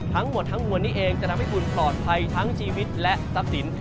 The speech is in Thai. ทั้งหมดทั้งมวลนี้เองจะทำให้คุณปลอดภัยทั้งชีวิตและทรัพย์สิน